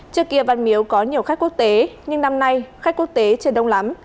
trước kia văn miếu có nhiều khách quốc tế nhưng năm nay khách quốc tế chưa đông lắm